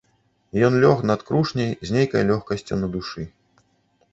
Ён лёг над крушняй з нейкай лёгкасцю на душы.